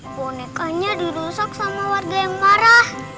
bonekanya dirusak sama warga yang marah